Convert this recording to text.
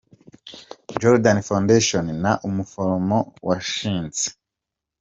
Jordan Foundation; na, umuforomo washinze